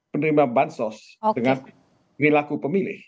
penerima bansos dengan perilaku pemilih